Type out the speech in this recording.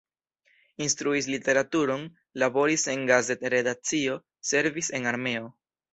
Instruis literaturon, laboris en gazet-redakcio, servis en armeo.